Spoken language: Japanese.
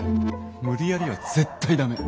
無理やりは絶対駄目。